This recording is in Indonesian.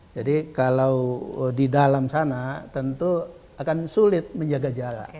jadi kalau di dalam sana tentu akan sulit menjaga jarak